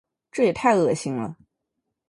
这也太恶心了。